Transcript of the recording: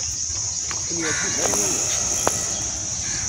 Ur ken-yeɛjib ara waya?